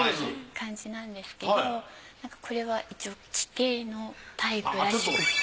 感じなんですけどこれは一応奇形のタイプらしくって。